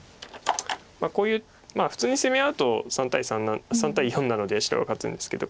こういう普通に攻め合うと３対４なので白が勝つんですけど。